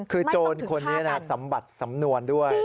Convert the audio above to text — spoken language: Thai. คือโจรคนนี้สำบัดสำนวนด้วย